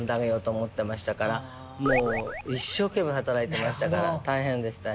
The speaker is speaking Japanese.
思ってましたからもう一生懸命働いてましたから大変でした。